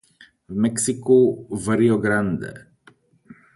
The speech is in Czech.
V Mexiku v Rio Grande.